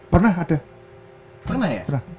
pernah ada pernah ya